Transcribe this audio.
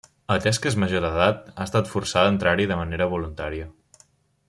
Atès que és major d’edat, ha estat forçada a entrar-hi de manera voluntària.